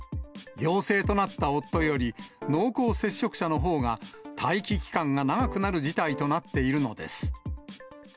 陽性となった夫より濃厚接触者のほうが待機期間が長くなる事態となっているのです。